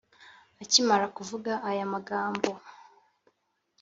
Akimara kuvuga aya magambo